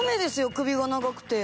首が長くて。